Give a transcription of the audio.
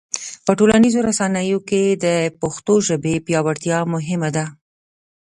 په ټولنیزو رسنیو کې د پښتو ژبې پیاوړتیا مهمه ده.